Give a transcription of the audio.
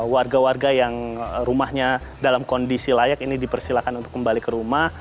warga warga yang rumahnya dalam kondisi layak ini dipersilakan untuk kembali ke rumah